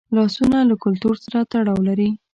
لاسونه له کلتور سره تړاو لري